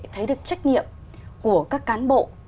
thấy được trách nhiệm của các cán bộ